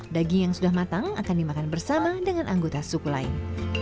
daging yang sudah matang akan dimakan bersama dengan anggota suku lain